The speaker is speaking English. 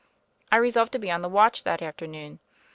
I resolved to be on the watch that afternoon.